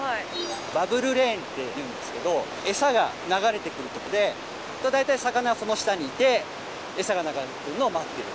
「バブルレーン」っていうんですけど餌が流れてくるとこで大体魚がその下にいて餌が流れてくるのを待ってる。